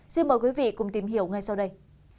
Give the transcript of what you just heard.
xin mời quý vị cùng tìm hiểu ngay sau đây